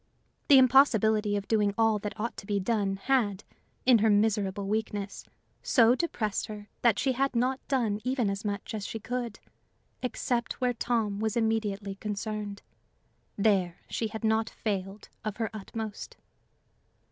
The impossibility of doing all that ought to be done, had, in her miserable weakness, so depressed her that she had not done even as much as she could except where Tom was immediately concerned: there she had not failed of her utmost.